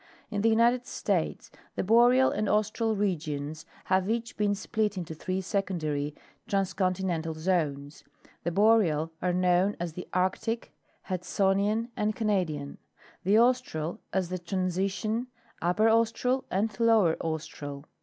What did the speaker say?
In the United States the Boreal and Austral regions have each been split into three secondary transcontinental zones. The Boreal are known as the Arctic, Hudsonian and Cunadian ; the Austral as the Transition, Upper Austral and Lower Austral.